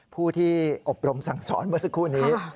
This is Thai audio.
ผู้ที่อบรมสั่งสอนเมื่อสักครู่นี้